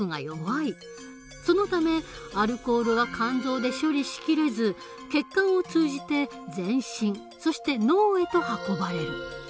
そのためアルコールは肝臓で処理しきれず血管を通じて全身そして脳へと運ばれる。